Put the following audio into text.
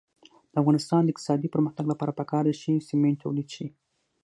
د افغانستان د اقتصادي پرمختګ لپاره پکار ده چې سمنټ تولید شي.